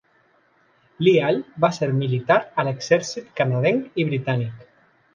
Lyall va ser militar a l'exèrcit canadenc i britànic.